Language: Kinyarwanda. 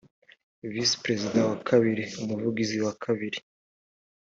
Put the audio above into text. visi perezida wa kabiri umuvugizi wa kabiri